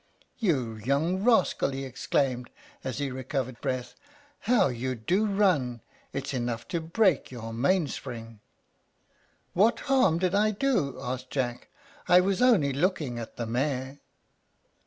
"You young rascal!" he exclaimed, as he recovered breath. "How you do run! It's enough to break your mainspring." "What harm did I do?" asked Jack. "I was only looking at the mare."